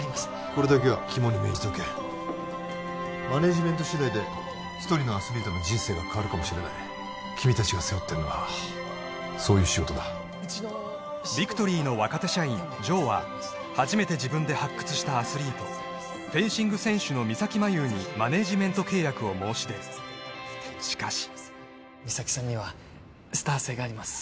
これだけは肝に銘じておけマネージメント次第で１人のアスリートの人生が変わるかもしれない君達が背負ってるのはそういう仕事だビクトリーの若手社員・城は初めて自分で発掘したアスリートフェンシング選手の三咲麻有にマネージメント契約を申し出るしかし三咲さんにはスター性があります